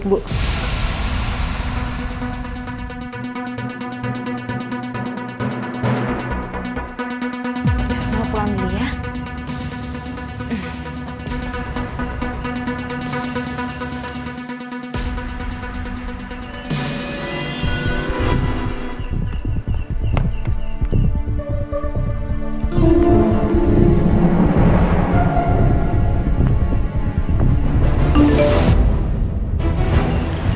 tidak mau titik belah